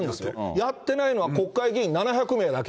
やってないのは、国会議員７００名だけ。